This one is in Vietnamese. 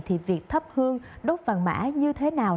thì việc thắp hương đốt vàng mã như thế nào